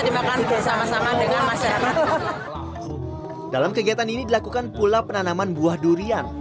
dimakan bersama sama dengan masyarakat dalam kegiatan ini dilakukan pula penanaman buah durian